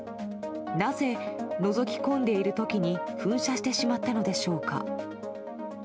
なぜ、のぞき込んでいる時に噴射してしまったのでしょうか。